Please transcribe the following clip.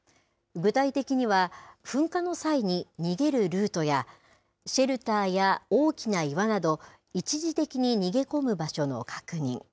具体的には、噴火の際に逃げるルートや、シェルターや大きな岩など、一時的に逃げ込む場所の確認。